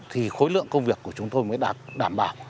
thì khối lượng công việc của chúng tôi mới đảm bảo